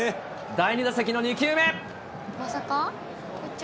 第２打席の２球目。